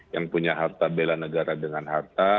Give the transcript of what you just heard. yang punya harta bela negara dengan harta